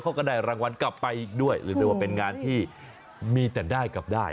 เขาก็ได้รางวัลกลับไปด้วยหรือเรียกว่าเป็นงานที่มีแต่ได้กลับได้